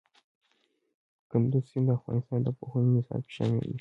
کندز سیند د افغانستان د پوهنې نصاب کې شامل دي.